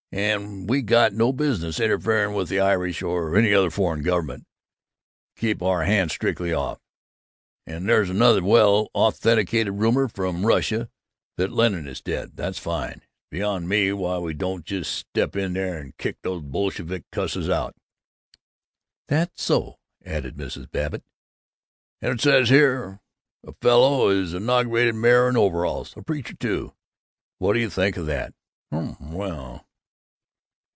And we got no business interfering with the Irish or any other foreign government. Keep our hands strictly off. And there's another well authenticated rumor from Russia that Lenin is dead. That's fine. It's beyond me why we don't just step in there and kick those Bolshevik cusses out." "That's so," said Mrs. Babbitt. "And it says here a fellow was inaugurated mayor in overalls a preacher, too! What do you think of that!" "Humph! Well!"